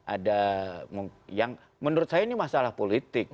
ada yang menurut saya ini masalah politik